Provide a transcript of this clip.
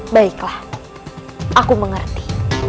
beriklah aku mengerti